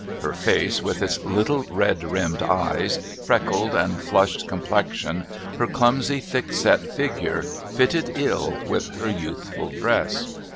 Her face with its little red rimmed eyes, freckled and flushed complexion, her clumsy thick set figure, fitted ill with her youthful dress.